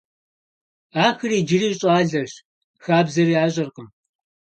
Ахэр иджыри щӀалэщ, хабзэр ящӀэркъым.